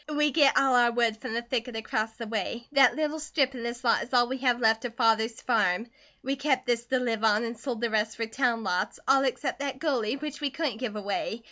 "We git all our wood from the thicket across the way. That little strip an' this lot is all we have left of father's farm. We kept this to live on, and sold the rest for town lots, all except that gully, which we couldn't give away.